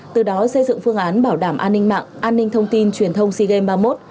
từ đó xây dựng phương án bảo đảm an ninh mạng an ninh thông tin truyền thông sea games ba mươi một